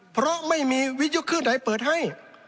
เพราะไม่มีวิยุคชื่อไหนเปิดให้